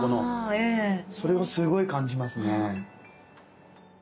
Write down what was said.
それをすごい感じますね。